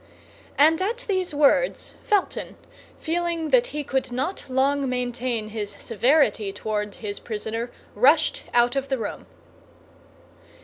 And at these words Felton, feeling that he could not long maintain his severity toward his prisoner, rushed out of the room.